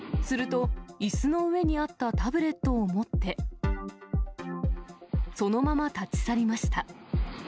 するといすの上にあったタブレットを持って、そのまま立ち去りました。